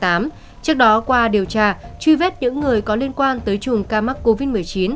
trước đó qua điều tra truy vết những người có liên quan tới chùm ca mắc covid một mươi chín